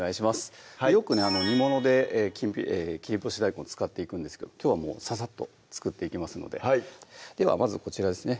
よくね煮物で切り干し大根使っていくんですけどきょうはもうササッと作っていきますのでではまずこちらですね